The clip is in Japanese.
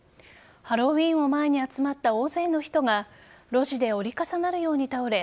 ハロウィーンを前に集まった大勢の人が路地で折り重なるように倒れ